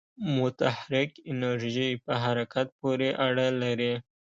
متحرک انرژی په حرکت پورې اړه لري.